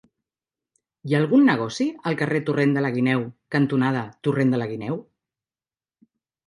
Hi ha algun negoci al carrer Torrent de la Guineu cantonada Torrent de la Guineu?